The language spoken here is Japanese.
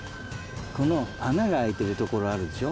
この穴が開いてるところあるでしょ？